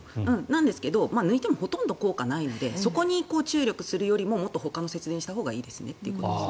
なんですけど、抜いてもほとんど効果はないのでそこに注力するよりももっとほかの節電をしたほうがいいと。